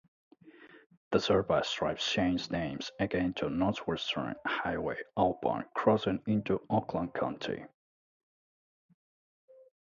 The service drives change names again to Northwestern Highway upon crossing into Oakland County.